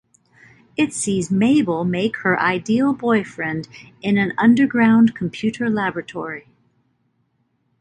It sees Mabel make her ideal boyfriend in an underground computer laboratory.